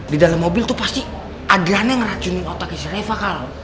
di dalam mobil tuh pasti adriana yang ngeracunin otaknya si reva kal